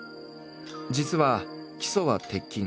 実は基礎は鉄筋。